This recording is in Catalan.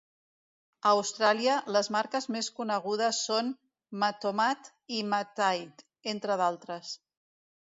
A Austràlia, les marques més conegudes són Mathomat i MathAid, entre d"altres.